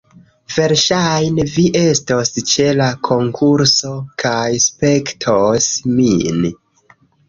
Verŝajne, vi estos ĉe la konkurso kaj spektos min